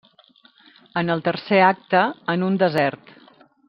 En el tercer acte, en un desert.